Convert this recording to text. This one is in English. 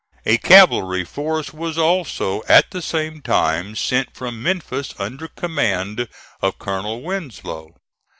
A cavalry force was also, at the same time, sent from Memphis, under command of Colonel Winslow.